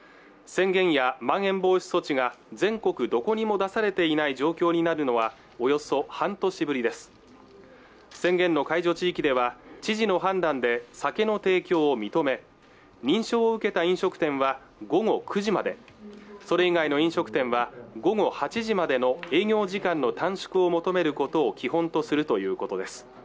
宣言やまん延防止措置が全国どこにも出されていない状況になるのはおよそ半年ぶりです宣言の解除地域では知事の判断で酒の提供を認め認証を受けた飲食店は午後９時までそれ以外の飲食店は午後８時までの営業時間の短縮を求めることを基本とするということです